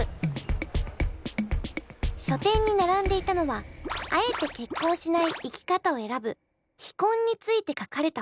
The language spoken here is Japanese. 書店に並んでいたのはあえて結婚しない生き方を選ぶ「非婚」ついて書かれた本。